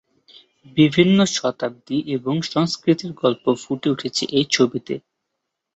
বিভিন্ন শতাব্দী আর সংস্কৃতির গল্প ফুটে উঠেছে এ ছবিতে।